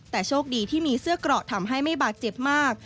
แต่โชคดีที่มีเสื้อเกราะทำให้ไม่บาดเจ็บมาก